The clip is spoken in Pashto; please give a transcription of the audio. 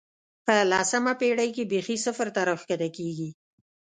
په لسمه پېړۍ کې بېخي صفر ته راښکته کېږي.